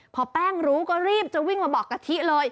พอแป้งรู้ก็รีบจะวิ่งมาบอกกะทิเลย